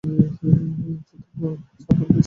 তন্মধ্যে, চারবার ইনিংসে পাঁচ-উইকেট পেয়েছিলেন।